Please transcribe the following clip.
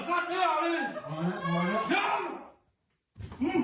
พี่เมียรักปลาไหม